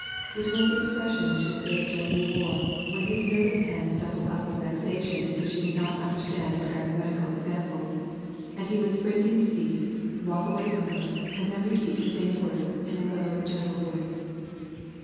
It was tlie • expression which his face generally wore when his nervous hands doubled up with vexation because she did not under stand her arithmetical examples, and he would spring to his feet, walk away from her and then repeat the same words in a low gentle voice.